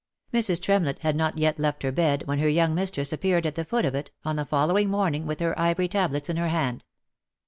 Mrs. Tremlett had not yet left her bed, when her young mistress appeared at the foot of it, on the following morning, with her ivory tablets in her hand.